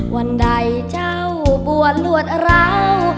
วันใดเจ้าบวนรวดร้าว